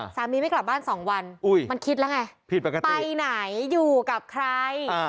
ไม่กลับบ้านสองวันมันคิดแล้วไงไปไหนอยู่กับใคร